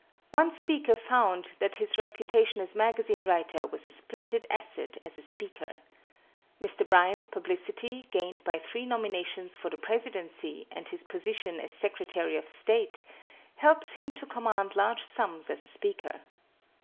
One speaker found that his reputation as a magazine writer was a splendid asset as a speaker. Mr. Bryan's publicity, gained by three nominations for the presidency and his position as Secretary of State, helps him to command large sums as a speaker.